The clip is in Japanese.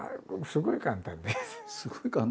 「すごい簡単」。